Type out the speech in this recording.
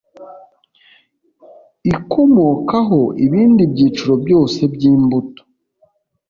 ikomokaho ibindi byiciro byose by imbuto